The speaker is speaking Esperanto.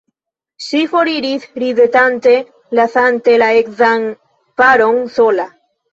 Ŝi foriris ridetante, lasante la edzan paron sola.